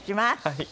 はい。